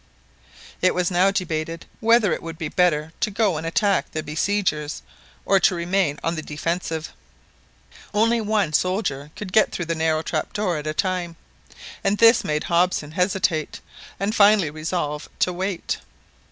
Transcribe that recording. It was now debated whether it would be better to go and attack the besiegers, or to remain on the defensive. Only one soldier could get through the narrow trap door at a time, and this made Hobson hesitate, and finally resolve to wait.